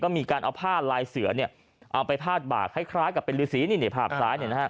มีการเอาผ้าลายเสือเอาไปพาดบากคล้ายกับเป็นฤษีนี่ภาพซ้าย